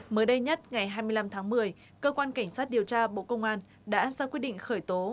mới đây nhất ngày hai mươi năm tháng một mươi cơ quan cảnh sát điều tra bộ công an đã ra quyết định khởi tố